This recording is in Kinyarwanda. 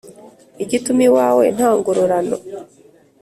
igituma iwawe nta ngororano